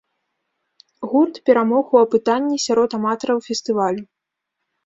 Гурт перамог у апытанні сярод аматараў фестывалю.